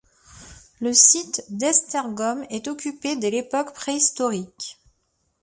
Le site d'Esztergom est occupé dès l'époque préhistorique.